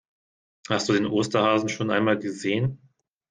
Hast du den Osterhasen schon einmal gesehen?